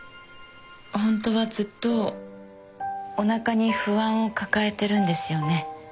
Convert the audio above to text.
ホントはずっとおなかに不安を抱えてるんですよね？